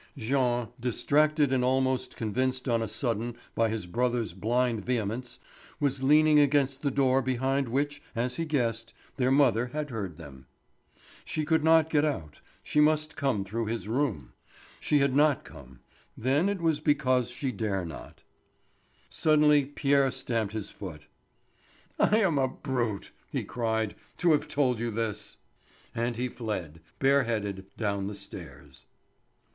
Jean, distracted and almost convinced on a sudden by his brother's blind vehemence, was leaning against the door behind which, as he guessed, their mother had heard them. She could not get out, she must come through his room. She had not come; then it was because she dare not. Suddenly Pierre stamped his foot. "I am a brute," he cried, "to have told you this." And he fled, bare headed, down the stairs.